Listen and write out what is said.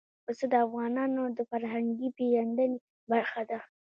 پسه د افغانانو د فرهنګي پیژندنې برخه ده.